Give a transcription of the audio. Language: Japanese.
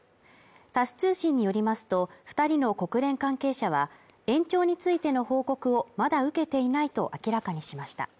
タス通信によりますと、２人の国連関係者は延長についての報告をまだ受けていないと明らかにしました。